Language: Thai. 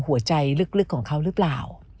หัวใจลึกของเขาหรือเปล่า